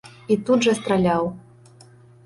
І тут жа страляў.